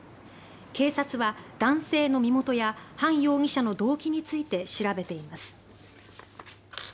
警察は男性の身元やハン容疑者の動機について調べています。